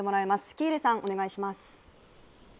喜入さん、お願いします。